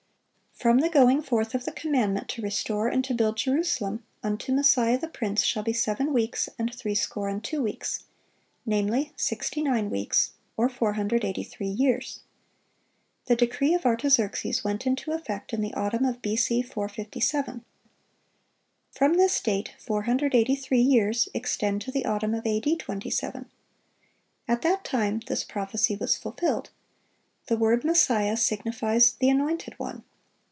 "From the going forth of the commandment to restore and to build Jerusalem unto the Messiah the Prince shall be seven weeks, and threescore and two weeks,"—namely, sixty nine weeks, or 483 years. The decree of Artaxerxes went into effect in the autumn of B.C. 457. From this date, 483 years extend to the autumn of A.D. 27.(541) At that time this prophecy was fulfilled. The word "Messiah" signifies "the Anointed One."